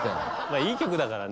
いい曲だからね。